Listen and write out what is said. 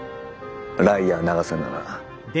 ライアー永瀬なら。